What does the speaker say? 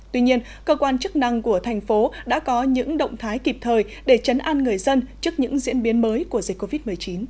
tuy nhiên cơ quan chức năng của thành phố đã có những động thái kịp thời để chấn an người dân trước những diễn biến mới của dịch covid một mươi chín